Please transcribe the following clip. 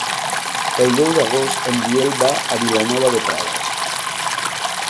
El deu d'agost en Biel va a Vilanova de Prades.